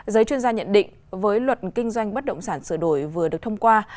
giới chuyên gia nhận định với luật kinh doanh bất động sản sửa đổi vừa được thông qua